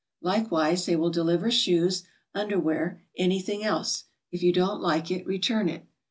Likewise they will deliver shoes, under wear, anything else; if you don't like it, return it.